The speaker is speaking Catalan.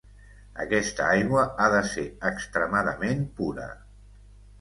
Aquesta aigua ha de ser extremadament pura.